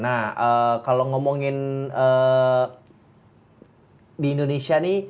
nah kalau ngomongin di indonesia nih